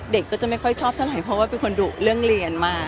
เด็กก็จะไม่ค่อยชอบเท่าไหร่เพราะว่าเป็นคนดุเรื่องเรียนมาก